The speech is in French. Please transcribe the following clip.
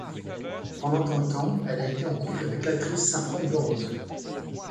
Pendant un temps, elle a été en couple avec l'actrice Saffron Burrows.